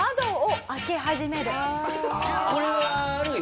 これはあるよ